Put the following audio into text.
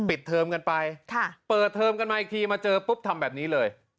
เทิมกันไปเปิดเทอมกันมาอีกทีมาเจอปุ๊บทำแบบนี้เลย